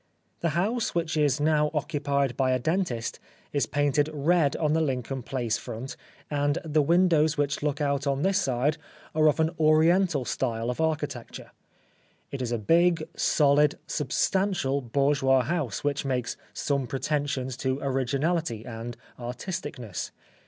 The house, which is now occupied by a dentist, is painted red on the Lincoln Place front, and the windows which look out on this side are of an Oriental style of architecture. It is a big, solid, substantial bourgeois house which makes some pretensions to originality and artisticness.